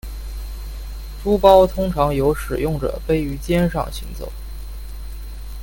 书包通常由使用者背于肩上行走。